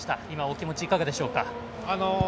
今、お気持ちはいかがでしょうか。